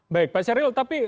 baik pak syahril tapi